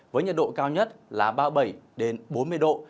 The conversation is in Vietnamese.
với nhiệt độ cao nhất là ba mươi bảy bốn mươi độ